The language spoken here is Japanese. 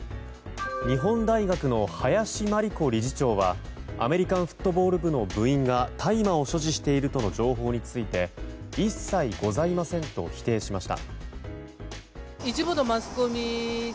日本大学の林真理子理事長はアメリカンフットボール部の部員が大麻を所持しているとの情報について一切ございませんと否定しました。